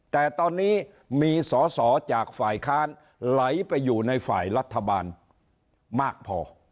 แต่ตอนนี้มีสอสอจากฝ่ายค้านไหลไปอยู่ในฝ่ายรัฐบาลมากพอ